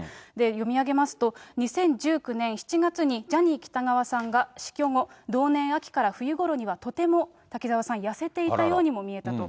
読み上げますと２０１９年７月にジャニー喜多川さんが死去後、同年秋から冬ごろにはとても、滝沢さん、痩せていたようにも見えたと。